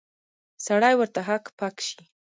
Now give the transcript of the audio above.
سړی ورته هک پک شي.